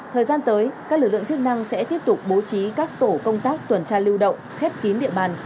thời gian tới các lực lượng chức năng sẽ tiếp tục bố trí các tổ công tác tuần tra lưu động khép kín địa bàn